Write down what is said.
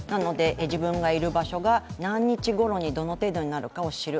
自分のいる場所が何日ごろにどの程度になるかを知る。